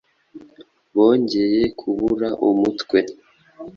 bongeye kubura umutwe